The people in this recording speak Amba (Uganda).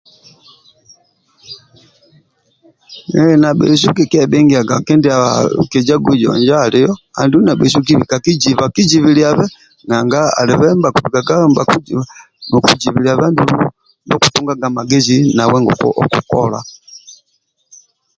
Hiii nabhesu kikiebhingiaga kindia kijagujo injo alio andulu nabhesu kibika kijiba kijibilabe nanga alibe ndibha bhakibikaga nibha kijiba andulu ndio okutuganga mageji ojiba ndio okukola